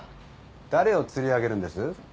誰を釣り上げるんです？